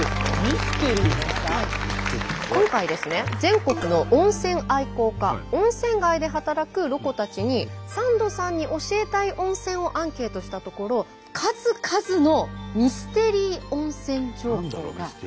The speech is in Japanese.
今回ですね全国の温泉愛好家温泉街で働くロコたちにサンドさんに教えたい温泉をアンケートしたところミステリー？